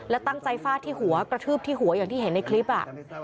และตั้งใจฟาดที่หัวกระทืบที่หัวอย่างที่เห็นในคลิป